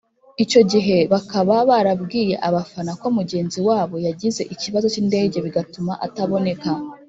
icyo gihe bakaba barabwiye abafana ko mugenzi wabo yagize ikibazo cy’indege bigatuma ataboneka